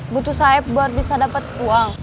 butuh saeb buat bisa dapat uang